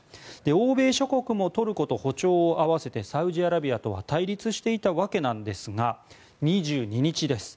欧米諸国もトルコと歩調を合わせサウジアラビアとは対立していたわけなんですが２２日です。